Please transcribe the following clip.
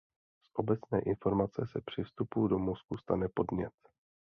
Z obecné informace se při vstupu do mozku stane podnět.